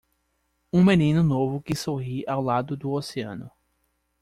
Um menino novo que sorri ao lado do oceano.